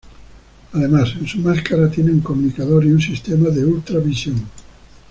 Además, en su máscara tiene un comunicador, y un sistema de ultra visión.